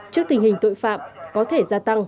trước tình hình tội phạm có thể gia tăng